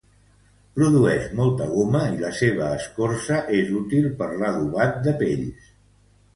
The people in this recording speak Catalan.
Produeix molta goma i la seva escorça és útil per l'adobat de pells.